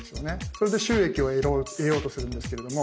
それで収益を得ようとするんですけれども。